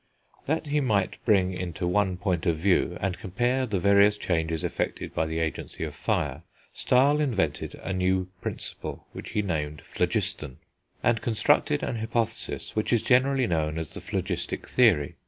That he might bring into one point of view, and compare the various changes effected by the agency of fire, Stahl invented a new Principle, which he named Phlogiston, and constructed an hypothesis which is generally known as the phlogistic theory.